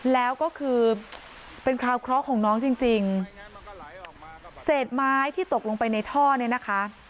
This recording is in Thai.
แล้วก็คือเป็นคราวเคราะห์ของน้องจริงจริงเศษไม้ที่ตกลงไปในท่อเนี่ยนะคะ